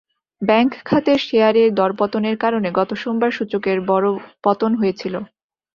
Bank খাতের শেয়ারের দরপতনের কারণে গত সোমবার সূচকের বড় পতন হয়েছিল।